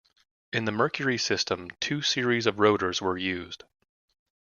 In the Mercury system, two series of rotors were used.